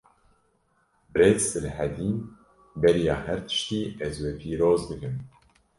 Birêz Silhedîn, beriya her tiştî ez we pîroz dikim